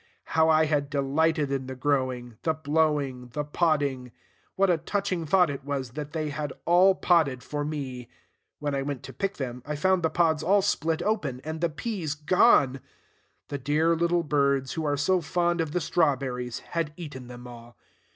How I had delighted in the growing, the blowing, the podding! What a touching thought it was that they had all podded for me! When I went to pick them, I found the pods all split open, and the peas gone. The dear little birds, who are so fond of the strawberries, had eaten them all.